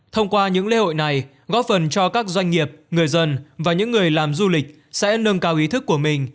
thông qua những lễ hội này góp phần cho các doanh nghiệp người dân và những người làm du lịch sẽ nâng cao ý thức của mình